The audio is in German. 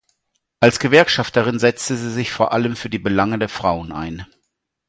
Als Gewerkschafterin setzte sie sich vor allem für die Belange der Frauen ein.